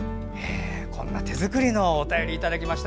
こんな手作りのお便りをいただきました。